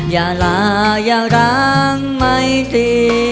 อย่าลาอย่าร้างไม่ตี